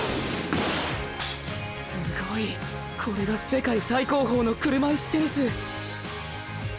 すごい、これが世界最高峰の車いすテニス。